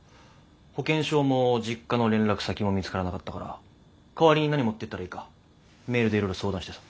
保険証も実家の連絡先も見つからなかったから代わりに何持ってったらいいかメールでいろいろ相談してさ。